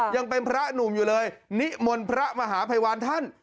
ยังเป็นพระหนุ่มอยู่เลยนิมนต์พระมหาภัยวันท่าน